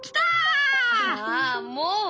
ああもう！